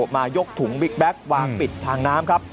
มายกถุงบิ๊กแก๊กวางปิดทางน้ำครับ